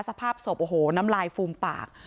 สภาพศพโอ้โหน้ำลายฟูมปาก